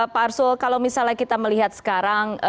pak arsul kalau misalnya kita melihat sekarang